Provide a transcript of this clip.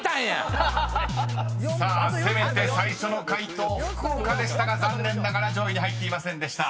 ［さあ攻めて最初の解答「福岡」でしたが残念ながら上位に入っていませんでした］